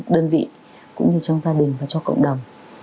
đơn vị cũng như trong gia đình và cho cộng đồng